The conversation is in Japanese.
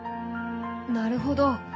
なるほど。